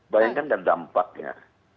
bayangkan dan dampaknya